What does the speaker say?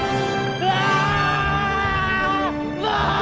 うわ！